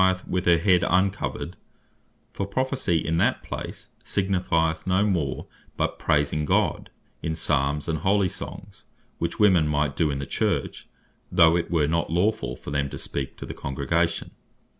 and every woman that prayeth or prophecyeth with her head uncovered: For Prophecy in that place, signifieth no more, but praising God in Psalmes, and Holy Songs; which women might doe in the Church, though it were not lawfull for them to speak to the Congregation.